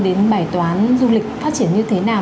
đến bài toán du lịch phát triển như thế nào